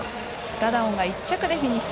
ダダオンが１着でフィニッシュ。